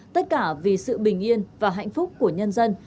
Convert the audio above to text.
tất cả vì sự bình yên và hạnh phúc của nhân dân